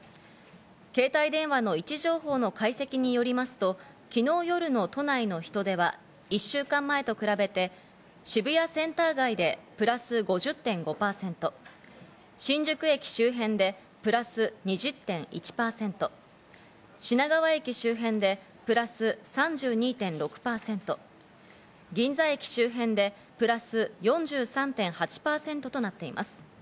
携帯電話の位置情報の解析によりますと、昨日夜の都内の人出は１週間前と比べて渋谷センター街でプラス５０．５％、新宿駅周辺でプラス２０．１％、品川駅周辺でプラス３２．６％、銀座駅周辺でプラス４３．８％となっています。